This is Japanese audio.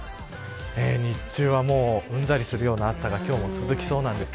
日中はうんざりするような暑さが今日も続きそうです。